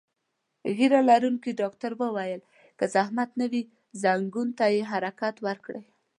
ږیره لرونکي ډاکټر وویل: که زحمت نه وي، ځنګون ته یې حرکت ورکړئ.